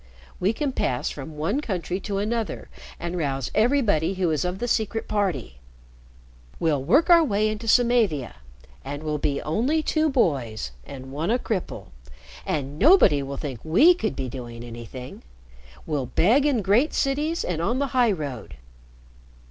We can pass from one country to another and rouse everybody who is of the Secret Party. We'll work our way into Samavia, and we'll be only two boys and one a cripple and nobody will think we could be doing anything. We'll beg in great cities and on the highroad."